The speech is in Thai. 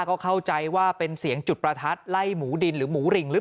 ก็เข้าใจว่าเป็นเสียงจุดประทัดไล่หมูดินหรือหมูหริงหรือเปล่า